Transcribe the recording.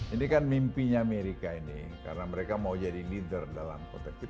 ini kan mimpinya amerika ini karena mereka mau jadi leader dalam konteks